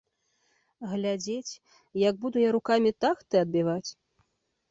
Глядзець, як буду я рукамі тахты адбіваць.